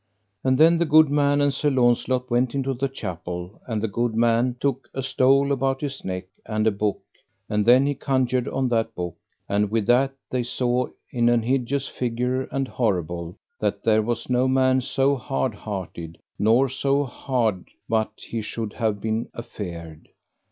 And then the good man and Sir Launcelot went into the chapel; and the good man took a stole about his neck, and a book, and then he conjured on that book; and with that they saw in an hideous figure and horrible, that there was no man so hard hearted nor so hard but he should have been afeard.